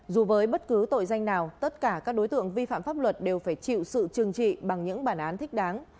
dù với bất cứ tội danh nào tất cả các đối tượng vi phạm pháp luật đều phải chịu sự trừng trị bằng những bản án thích đáng